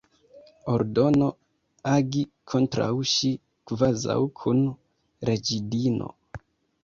Ordono, agi kontraŭ ŝi, kvazaŭ kun reĝidino.